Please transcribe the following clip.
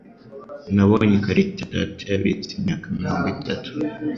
Nabonye ikarita data yabitse imyaka mirongo itatu.